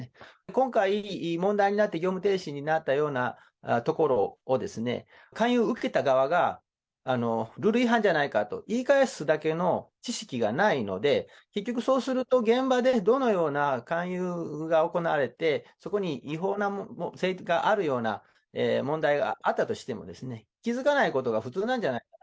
今回、問題になって業務停止になったようなところを勧誘を受けた側が、ルール違反じゃないかと言い返すだけの知識がないので、結局、そうすると現場でどのような勧誘が行われて、そこに違法性があるような問題があったとしても、気付かないことが普通なんじゃないか。